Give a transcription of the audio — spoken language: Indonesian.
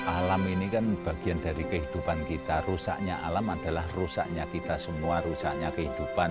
alam ini kan bagian dari kehidupan kita rusaknya alam adalah rusaknya kita semua rusaknya kehidupan